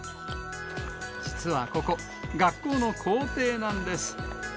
実はここ、学校の校庭なんです。